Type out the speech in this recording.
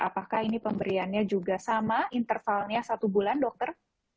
apakah ini pemberiannya juga sama intervalnya satu bulan dokter